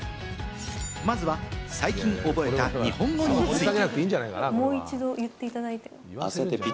まずは最近覚えた日本語について。